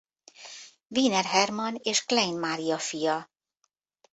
Wiener Hermann és Klein Mária fia.